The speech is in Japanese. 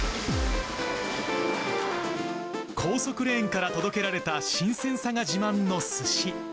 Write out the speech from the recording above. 高速レーンから届けられた新鮮さが自慢のすし。